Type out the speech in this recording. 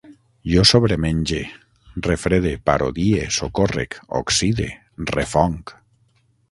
Jo sobremenge, refrede, parodie, socórrec, oxide, refonc